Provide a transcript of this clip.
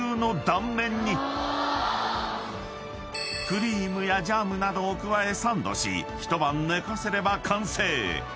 ［クリームやジャムなどを加えサンドし一晩寝かせれば完成］